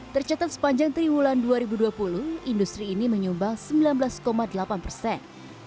tercatat sepanjang triwulan dua ribu dua puluh industri ini menyumbang sembilan belas delapan persen